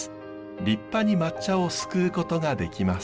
立派に抹茶をすくうことができます。